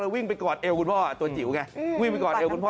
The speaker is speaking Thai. วิ่งไปกอดเอวคุณพ่อตัวจิ๋วไงวิ่งไปกอดเอวคุณพ่อ